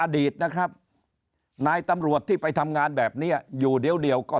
อดีตนะครับนายตำรวจที่ไปทำงานแบบนี้อยู่เดี๋ยวก็